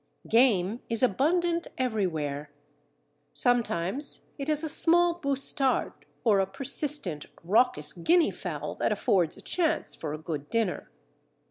Game is abundant everywhere. Sometimes it is a small bustard or a persistent, raucous guinea fowl that affords a chance for a good dinner.